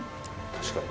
確かに。